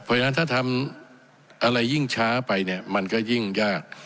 เพราะฉะนั้นถ้าทำอะไรยิ่งช้าไปเนี่ยมันก็ยิ่งยาก